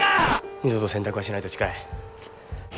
二度と洗濯はしないと誓え。